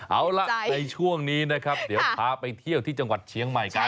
เอาล่ะในช่วงนี้นะครับเดี๋ยวพาไปเที่ยวที่จังหวัดเชียงใหม่กัน